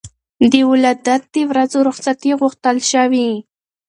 د ولادت د ورځو رخصتي غوښتل شوې.